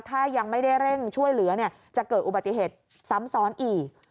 ถ้ายังไม่ได้เร่งช่วยเหลือจะเกิดอุบัติเหตุซ้ำซ้อนอีก